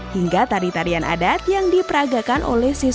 hingga tari tarian adat yang diperagakan oleh siswa